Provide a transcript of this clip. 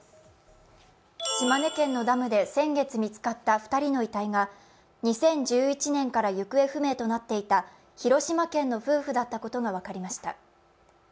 島根県のダムで先月見つかった２人の遺体が２０１１年から行方不明となっていた広島県の夫婦だったことが分かりました。